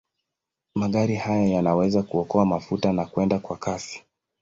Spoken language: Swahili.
Magari haya yanaweza kuokoa mafuta na kwenda kwa kasi.